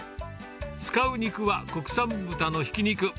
使う肉は国産豚のひき肉。